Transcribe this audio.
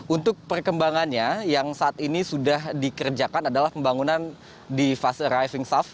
untuk perkembangannya yang saat ini sudah dikerjakan adalah pembangunan di fast arriving soft